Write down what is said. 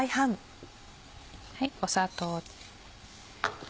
砂糖。